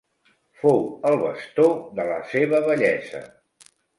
Fou el bastó de la seva vellesa.